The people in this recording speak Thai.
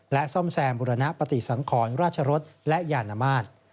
ซ่อมแซมบุรณปฏิสังขรราชรสและยานมาตร